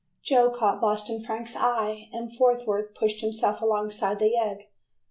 Joe caught Boston Frank's eye and forthwith pushed himself alongside the yegg.